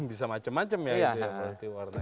bisa macem macem ya itu ya pasti warnanya